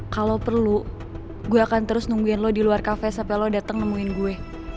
kalau perlu gue akan terus nungguin lo di luar kafe sampai lo datang nemuin gue